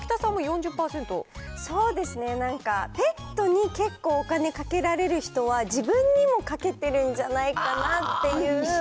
そうですね、なんかペットに結構お金かけられる人は、自分にもかけてるんじゃないかなっていう。